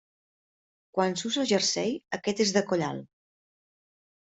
Quan s'usa jersei, aquest és de coll alt.